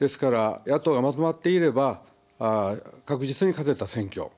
ですから野党がまとまっていれば確実に勝てた選挙。